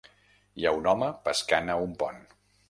Hi ha un home pescant a un pont